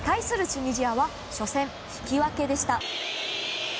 チュニジアは初戦、引き分けでした。